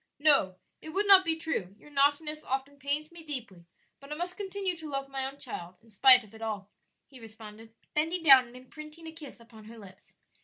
"No, it would not be true; your naughtiness often pains me deeply, but I must continue to love my own child in spite of it all," he responded, bending down and imprinting a kiss upon her lips.